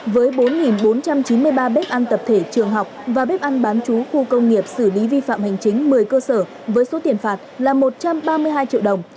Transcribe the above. với bốn bốn trăm chín mươi ba bếp ăn tập thể trường học và bếp ăn bán chú khu công nghiệp xử lý vi phạm hành chính một mươi cơ sở với số tiền phạt là một trăm ba mươi hai triệu đồng